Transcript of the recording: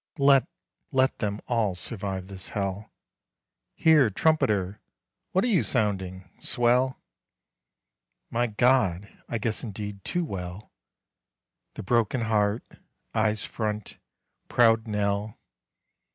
"Let, let them all survive this hell." Hear 'Trumpeter, what are you sounding?' swell. (My God! I guess indeed too well: The broken heart, eyes front, proud knell!)